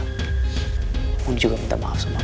dan mondi yakin papa pasti masih bisa berubah